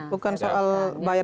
bukan soal membayar